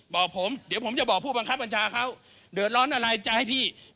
บอกผมเดี๋ยวผมจะบอกผู้บังคับบัญชาเขาเดือดร้อนอะไรจะให้พี่